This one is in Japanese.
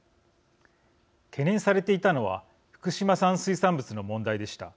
懸念されていたのは福島産水産物の問題でした。